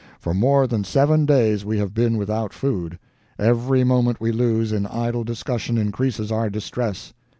For more than seven days we have been without food. Every moment we lose in idle discussion increases our distress.